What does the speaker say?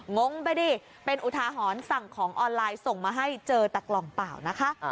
งงไปดิเป็นอุทาหรณ์สั่งของออนไลน์ส่งมาให้เจอแต่กล่องเปล่านะคะ